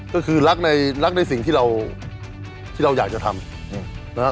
ก็คือรักในสิ่งที่เราอยากจะทำ